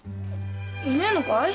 いねえのかい？